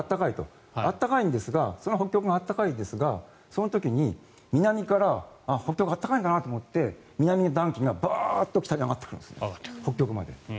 北極は暖かいですがその時に南から北極暖かいんだなと思って南の暖気がバーッと北に上がってくるんです、北極まで。